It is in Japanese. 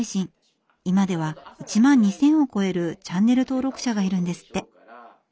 今では１万２，０００を超えるチャンネル登録者がいるんですって。